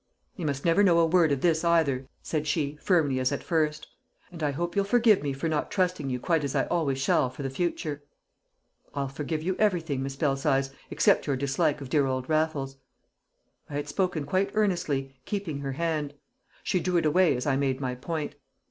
"He must never know a word of this either," said she, firmly as at first. "And I hope you'll forgive me for not trusting you quite as I always shall for the future." "I'll forgive you everything, Miss Belsize, except your dislike of dear old Raffles!" I had spoken quite earnestly, keeping her hand; she drew it away as I made my point.